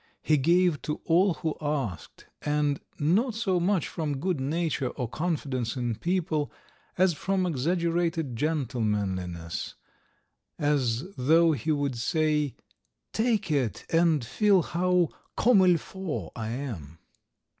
He gave to all who asked, and not so much from good nature or confidence in people as from exaggerated gentlemanliness as though he would say: "Take it and feel how comme il faut I am!"